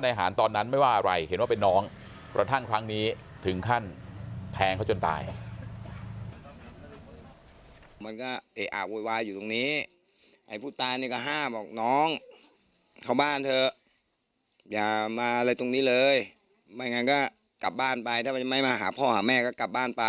อย่ามาอะไรตรงนี้เลยไม่งั้นก็กลับบ้านไปถ้าไม่มาหาพ่อหาแม่ก็กลับบ้านไป